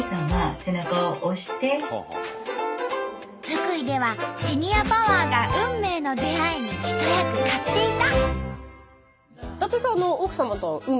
福井ではシニアパワーが運命の出会いに一役買っていた。